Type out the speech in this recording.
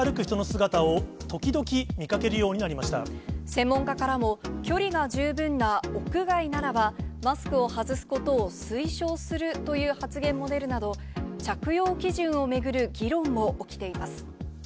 専門家からも、距離が十分な屋外ならば、マスクを外すことを推奨するという発言も出るなど、着用基準を巡る議論も起きています。